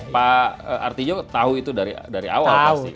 pak artijo tahu itu dari awal pasti